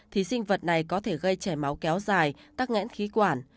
thì sinh vật này có thể gây trẻ máu kéo dài tắc ngãn khí quản